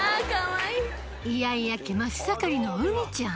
イヤイヤ期真っ盛りのうみちゃん